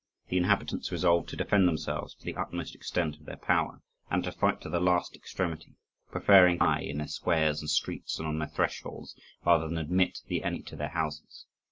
The inhabitants resolved to defend themselves to the utmost extent of their power, and to fight to the last extremity, preferring to die in their squares and streets, and on their thresholds, rather than admit the enemy to their houses.